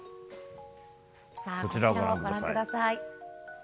こちらをご覧ください。